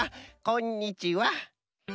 こんにちは。